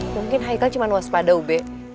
mungkin haikal cuma waspada ube